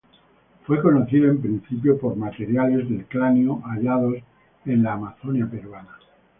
Fue conocido en principio por materiales del cráneo hallados en la Amazonia peruana.